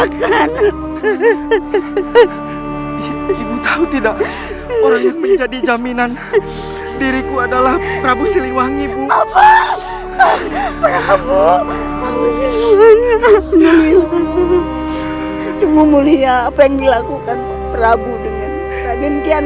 hai cadangan kian santan